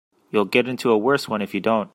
You'll get into a worse one if you don't.